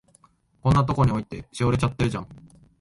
こんなとこに置いて、しおれちゃってるじゃん。